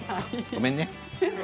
ごめんね。